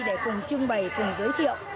để cùng trưng bày cùng giới thiệu